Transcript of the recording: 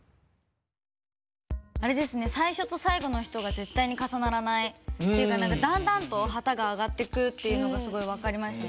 最初と最後の人が絶対に重ならないっていうかだんだんと旗が上がってくっていうのがすごい分かりましたね。